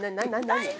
何？